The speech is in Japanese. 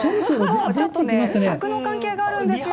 ちょっと尺の関係があるんですよね。